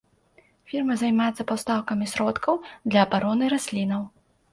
Фірма займаецца пастаўкамі сродкаў для абароны раслінаў.